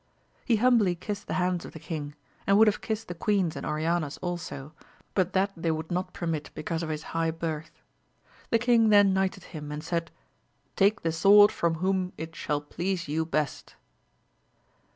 He humbly kissed the hands of the king, and would have kissed the queen's and Oriana's also, but that they would not permit because of his high birtL The king then knighted him, and said, take the sword from whom it VOL. n. VI 178 AMADIS OF GAUL. shall please you best.